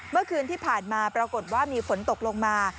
เมื่อคืนที่ผ่านมาปรากฏว่ามีฝนตกลงมา